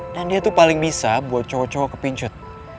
dan dia tuh paling bisa buat cowok cowok kepincut